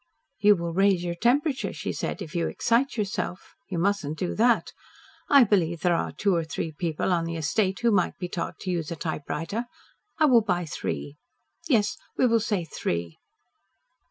"You will raise your temperature," she said, "if you excite yourself. You mustn't do that. I believe there are two or three people on the estate who might be taught to use a typewriter. I will buy three. Yes we will say three."